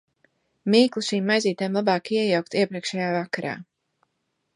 Mīklu šīm maizītēm labāk iejaukt iepriekšējā vakarā.